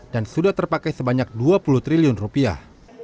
dan sudah terpakai sebanyak dua puluh triliun rupiah